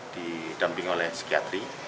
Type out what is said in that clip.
didampingi oleh psikiatri